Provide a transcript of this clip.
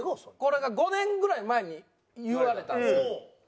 これが５年ぐらい前に言われたんですよ。